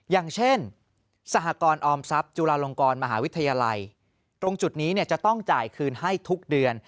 อย่างเช่นสหกรออมทรัพย์จุฬาลงกรมหาวิทยาลัยตรงจุดนี้จะต้องจ่ายคืนให้ทุกเดือน